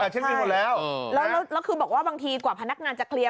เช็คบินหมดแล้วแล้วคือบอกว่าบางทีกว่าพนักงานจะเคลียร์